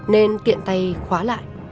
nên tiện tay khóa lại